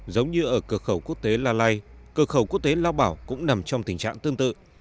giống như ở cửa khẩu quốc tế la lai cờ khẩu quốc tế lao bảo cũng nằm trong tình trạng tương tự